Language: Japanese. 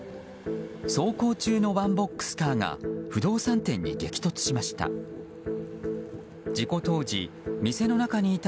走行中のワンボックスカーが不動産店に激突しました。